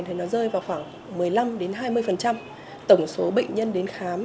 thì nó rơi vào khoảng một mươi năm hai mươi tổng số bệnh nhân đến khám